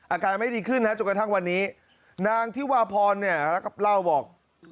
อาการไม่ดีขึ้นนะจนกระทั่งวันนี้นางที่วาพรเนี่ยเล่าบอก